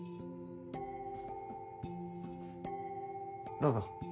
どうぞ。